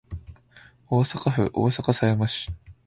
大阪府大阪狭山市